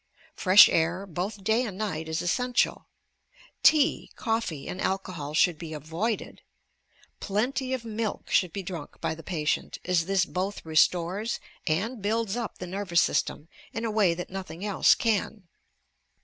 Fresh air, both day and night, is essential. Tea, coffee and alcohol should be avoided. Plenty of milk should be dnuik by the patient, as this both restores and builds up the nervous system in a way that nothing else can.